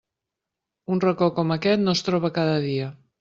Un racó com aquest no es troba cada dia.